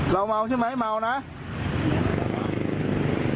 ขยับตัวไม่ได้